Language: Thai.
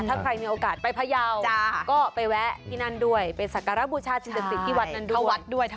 ถ้าใครมีโอกาสไปพยาวก็ไปแวะที่นั่นด้วยไปสักการะบูชาสิ่งศักดิ์สิทธิ์ที่วัดนั้นด้วย